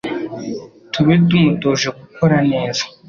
tube tumutoje gukora neza.